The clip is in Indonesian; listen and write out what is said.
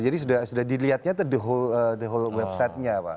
jadi sudah dilihatnya the whole website nya